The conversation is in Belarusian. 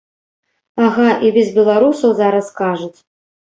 Ага, і без беларусаў, зараз скажуць!